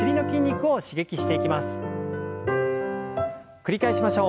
繰り返しましょう。